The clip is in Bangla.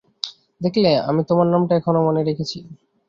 দেখলে, আমি তোমার নামটা এখনো মনে রেখেছি।